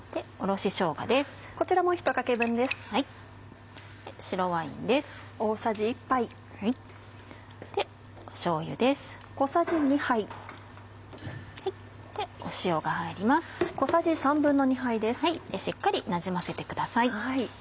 しっかりなじませてください。